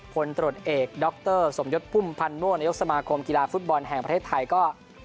ผลตรวจเอกดรสมยศพุ่มพันธ์ม่วงนายกสมาคมกีฬาฟุตบอลแห่งประเทศไทยก็